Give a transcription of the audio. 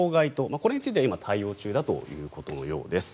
これについては今、対応中だということです。